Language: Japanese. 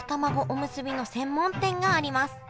おむすびの専門店があります